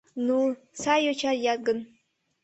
— Ну... сай йоча лият гын...